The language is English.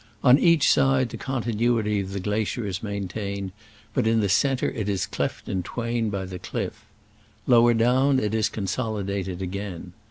On each side the continuity of the gla cier is maintained, but in the centre it is cleft in twain by the cliff. Lowe' down it is consolidated again.